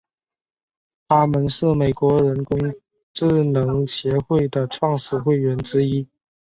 他是美国人工智能协会的创始会员之一。